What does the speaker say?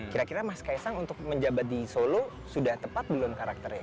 kira kira mas kaisang untuk menjabat di solo sudah tepat belum karakternya